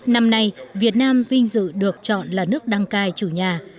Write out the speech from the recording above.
năm nay việt nam vinh dự được chọn là nước đăng cai chủ nhà